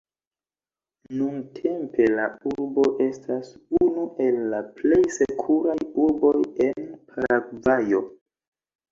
Nuntempe la urbo estas unu el la plej sekuraj urboj en Paragvajo.